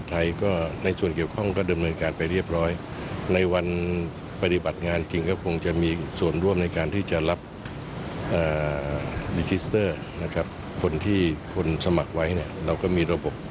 ที่จะพลงไปในพื้นที่